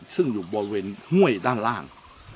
ซึ่งอยู่บริเวณห้วยด้านล่าง